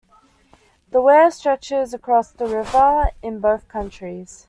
The weir stretches across the river, in both counties.